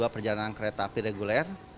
lima puluh dua perjalanan kereta api reguler